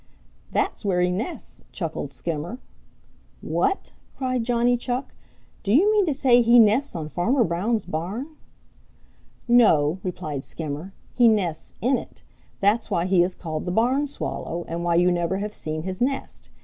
"That's where he nests," chuckled Skimmer. "What?" cried Johnny Chuck. "Do you mean to say he nests on Farmer Brown's barn?" "No," replied Skimmer. "He nests in it. That's why he is called the Barn Swallow, and why you never have seen his nest.